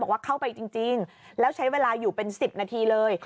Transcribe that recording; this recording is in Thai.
เข้าไปจริงแล้วใช้เวลาอยู่เป็น๑๐นาทีเลย